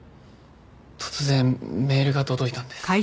突然メールが届いたんです。